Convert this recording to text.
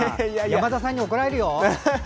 山田さんに怒られるよ。